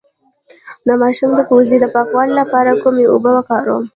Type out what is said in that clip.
د ماشوم د پوزې د پاکوالي لپاره کومې اوبه وکاروم؟